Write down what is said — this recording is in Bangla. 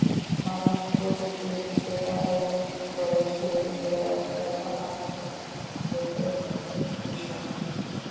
মানুষ প্রকৃতির দিকে তাকাইয়া মনে করে, সে জ্ঞাতা আর প্রকৃতি জ্ঞেয় বিষয়।